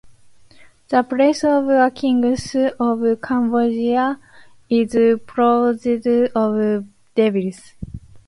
The palace of the Kings of Cambodia is purged of devils.